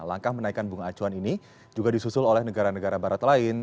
langkah menaikkan bunga acuan ini juga disusul oleh negara negara barat lain